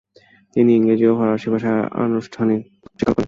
তিনি ইংরেজি ও ফারসি ভাষায় আনুষ্ঠানিক শিক্ষা লাভ করেন।